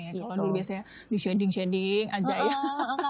kalau lebih biasanya di shading shading aja ya